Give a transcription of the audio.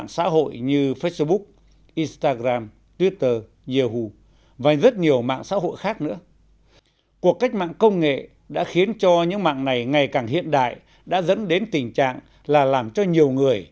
xin chào và hẹn gặp lại